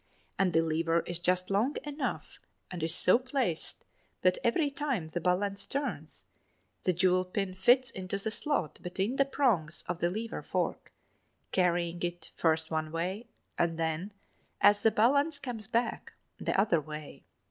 And the lever is just long enough and is so placed that every time the balance turns, the jewel pin fits into the slot between the prongs of the lever fork carrying it first one way, and then, as the balance comes back, the other way.